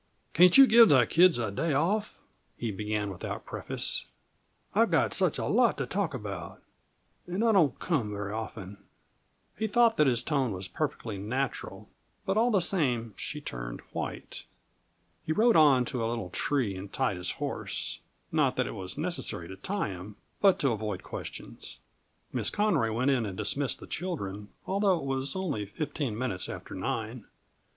"Can't you give the kids a day off?" he began, without preface. "I've got such a lot to talk about and I don't come very often." He thought that his tone was perfectly natural; but all the same she turned white. He rode on to a little tree and tied his horse not that it was necessary to tie him, but to avoid questions. Miss Conroy went in and dismissed the children, although it was only fifteen minutes after nine.